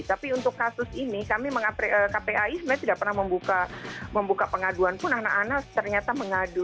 tapi untuk kasus ini kpai sebenarnya tidak pernah membuka pengaduan pun anak anak ternyata mengadu